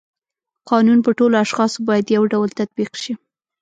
قانون په ټولو اشخاصو باید یو ډول تطبیق شي.